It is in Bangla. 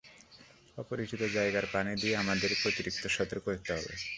অপরিচিত জায়গার পানি নিয়ে আমাদেরকে অতিরিক্ত সতর্ক হতে হবে।